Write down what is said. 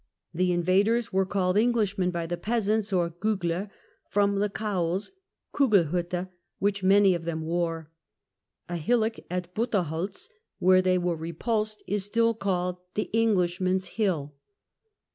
The inva ders were called Englishmen by the peasants, or Guijler from the cowls {Kuf/elhilte) which many of them wore : a hillock at Butterholz, where they were repulsed, is still called the Englishmen's Hill.